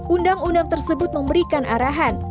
undang undang tersebut memberikan arahan